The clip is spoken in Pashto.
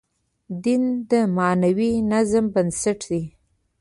دین د معنوي نظم بنسټ دی.